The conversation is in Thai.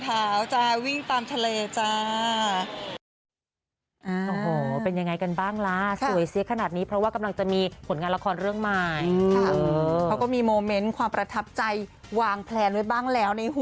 ถ้าชุดเจ้าสาวนะต้องแบบไม่ใส่รองเท้าจ้า